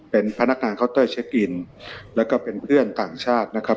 เป็นพนักงานเคาน์เตอร์เช็คอินแล้วก็เป็นเพื่อนต่างชาตินะครับ